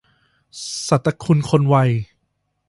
ศตคุณ คนไว